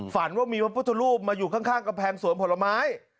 ฝันว่ามีพระพุทธรูปมาอยู่ข้างกำแพงสวนผลไม้